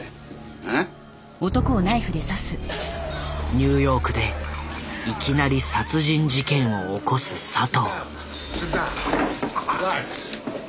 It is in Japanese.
ニューヨークでいきなり殺人事件を起こす佐藤。